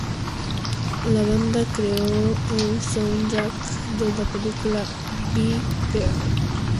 La banda creó el soundtrack de la película "Bae Bear".